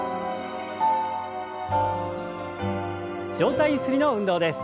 上体ゆすりの運動です。